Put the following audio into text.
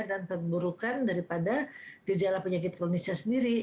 dan pemburukan daripada gejala penyakit kronisnya sendiri